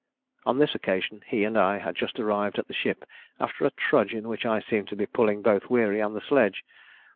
On this occasion he and I had just arrived at the ship after a trudge in which I seemed to be pulling both Weary and the sledge.